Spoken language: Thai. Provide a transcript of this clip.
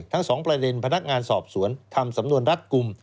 ทั้งสองประเด็นพนักงานสอบสวนทำสำนวนรัดกลุ่ม